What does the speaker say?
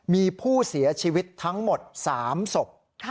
มีผู้เสียชีวิตทั้งหมด๓ศพ